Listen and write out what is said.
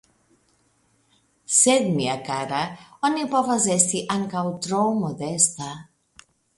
Sed mia kara, oni povas esti ankaŭ tro modesta.